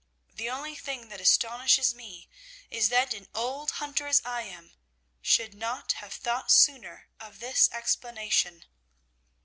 The only thing that astonishes me is that an old hunter, as I am, should not have thought sooner of this explanation.'